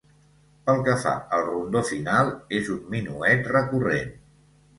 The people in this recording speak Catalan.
Pel que fa al rondó final, és un minuet recurrent.